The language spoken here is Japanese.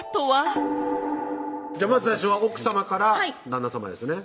まず最初は奥さまから旦那さまですね